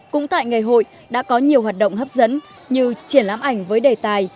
cũng tại ngày hội đã có nhiều hoạt động hấp dẫn như triển lãm ảnh với đề tài